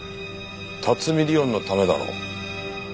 辰見莉音のためだろう。